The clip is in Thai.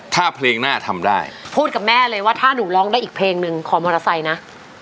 ถ้าเพลงหน้าทำได้พูดกับแม่เลยว่าถ้าหนูร้องได้อีกเพลงหนึ่งขอมอเตอร์ไซค์นะ